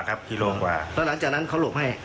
แล้วหลังจากนั้นเขาหลบให้